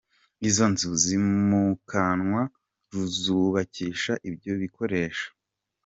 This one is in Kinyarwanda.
Izo nzu zimukanwa ruzubakisha ibyo bikoresho.